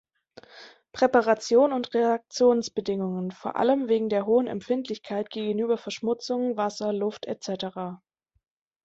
Präparation und Reaktionsbedingungen, vor allem wegen der hohen Empfindlichkeit gegenüber Verschmutzungen, Wasser, Luft etc.